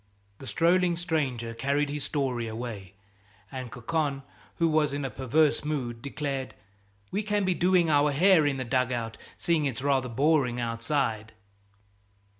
The strolling stranger carried his story away, and Cocon, who was in a perverse mood, declared: "We can be doing our hair in the dug out, seeing it's rather boring outside."